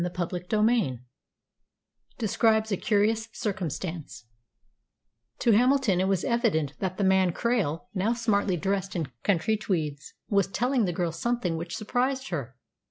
CHAPTER XXXI DESCRIBES A CURIOUS CIRCUMSTANCE To Hamilton it was evident that the man Krail, now smartly dressed in country tweeds, was telling the girl something which surprised her.